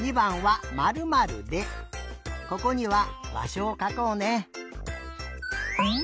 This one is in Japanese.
ここには「ばしょ」をかこうね。